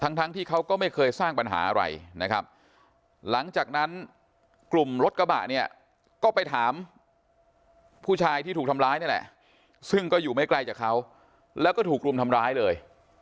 ทั้งทั้งที่เขาก็ไม่เคยสร้างปัญหาอะไรนะครับหลังจากนั้นกลุ่มรถกระบะเนี่ยก็ไปถามผู้ชายที่ถูกทำร้ายนี่แหละซึ่งก็อยู่ไม่ไกลจากเขาแล้วก็ถูกรุมทำร้ายเลย